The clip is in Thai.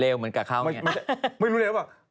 เร็วเหมือนกากเข้าไงนะครับเหมือนกันเนี่ยไม่รู้เร็วเหรอวะ